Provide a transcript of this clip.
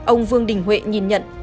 ông vương đình huệ nhìn nhận